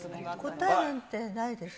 答えなんてないですよ。